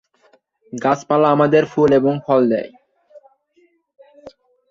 গাছপালা আমাদের ফুল এবং ফল দেয়।